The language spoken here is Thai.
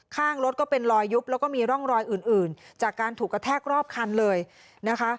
ข้างรถก็เป็นรอยยุบแล้วก็มีร่องรอยอื่นอื่นจากการถูกกระแทกรอบคันเลยนะคะ